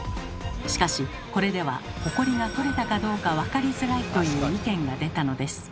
しかしこれではホコリが取れたかどうかわかりづらいという意見が出たのです。